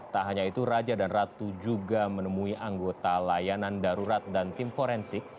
tak hanya itu raja dan ratu juga menemui anggota layanan darurat dan tim forensik